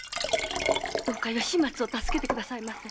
どうか吉松を助けてくださいませ。